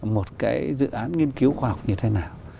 một cái dự án nghiên cứu khoa học như thế nào